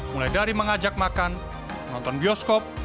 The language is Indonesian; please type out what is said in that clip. mulai dari mengajak makan menonton bioskop